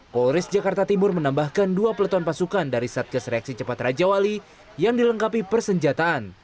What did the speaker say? polres jakarta timur menambahkan dua peleton pasukan dari satgas reaksi cepat raja wali yang dilengkapi persenjataan